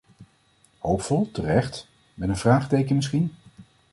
Hoopvol, terecht, met een vraagteken misschien?